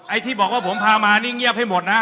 ที่บอกว่าผมพามานี่เงียบให้หมดนะ